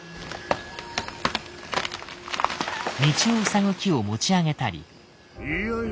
道を塞ぐ木を持ち上げたり。